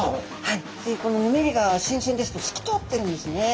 このぬめりが新鮮ですとすきとおってるんですね。